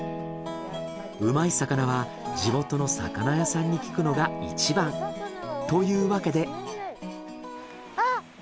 うまい魚は地元の魚屋さんに聞くのがいちばん。というわけで。